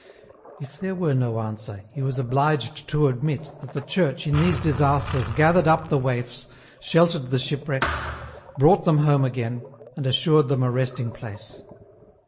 If there were no answer, he was obliged to admit that the Church in these disasters gathered up the waifs, sheltered the shipwrecked, brought them home again, and assured them a resting place.